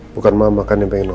bukan mama kan yang pengen